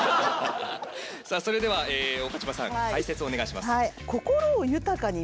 さあそれでは岡島さん解説お願いします。